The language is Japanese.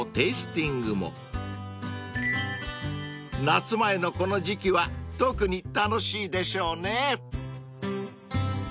［夏前のこの時季は特に楽しいでしょうね］